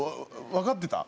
わかってた？